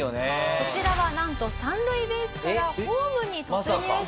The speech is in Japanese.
こちらはなんと三塁ベースからホームに突入します。